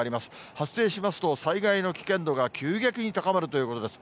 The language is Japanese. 発生しますと、災害の危険度が急激に高まるということです。